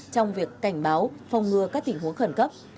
trong việc cảnh báo phòng ngừa các tình huống khẩn cấp